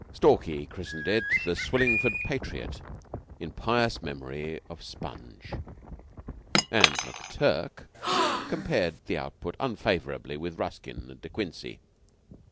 Stalky christened it the "Swillingford Patriot," in pious memory of Sponge and McTurk compared the output unfavorably with Ruskin and De Quincey.